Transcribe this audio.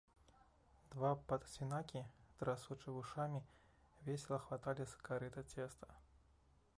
Два падсвінакі, трасучы вушамі, весела хваталі з карыта цеста.